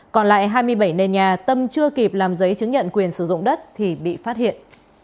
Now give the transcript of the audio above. còn lại hai mươi bảy nền nhà tâm chưa kịp làm giấy chứng nhận quyền sử dụng đất thì bị phát hiện